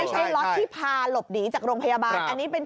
หาวหาวหาวหาวหาวหาวหาวหาวหาว